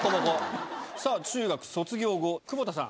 さぁ中学卒業後窪田さん